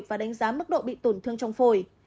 và đánh giá mức độ bị tổn thương trong phổi